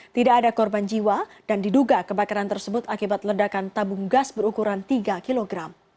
tidak ada korban jiwa dan diduga kebakaran tersebut akibat ledakan tabung gas berukuran tiga kg